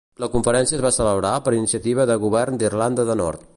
La Conferència es va celebrar per iniciativa de Govern d'Irlanda de Nord.